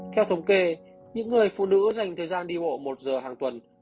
theo thống kê những người phụ nữ dành thời gian đi bộ một giờ hàng tuần